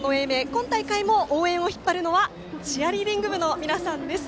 今大会も応援を引っ張るのはチアリーディング部の皆さんです。